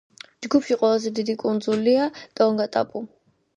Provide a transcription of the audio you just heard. ჯგუფში ყველაზე დიდი კუნძულია ტონგატაპუ.